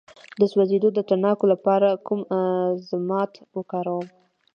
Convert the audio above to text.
د سوځیدو د تڼاکو لپاره کوم ضماد وکاروم؟